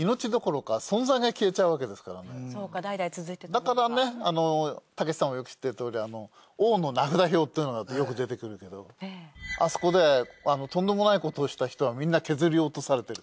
だからねたけしさんもよく知ってるとおり王の名札表っていうのがよく出てくるけどあそこでとんでもないことをした人はみんな削り落とされてる。